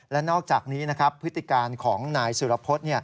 และนอกจากนี้นะครับพฤติการของนายสุรพฤษ